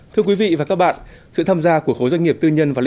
thưa quý vị và các bạn sự tham gia của khối doanh nghiệp tư nhân